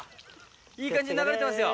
いい感じに流れてますよ。